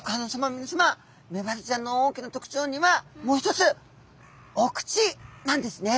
みなさまメバルちゃんの大きな特徴にはもう一つお口なんですね。